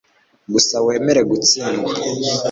gusa wemere gutsindwa